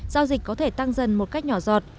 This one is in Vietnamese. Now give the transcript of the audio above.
giao dịch có thể tăng dần một cách nhỏ giọt